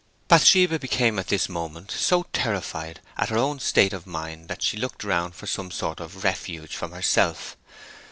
Bathsheba became at this moment so terrified at her own state of mind that she looked around for some sort of refuge from herself.